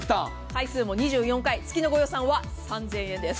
回数も２４回、月のご予算は３０００円です。